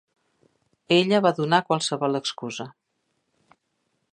Ella va donar qualsevol excusa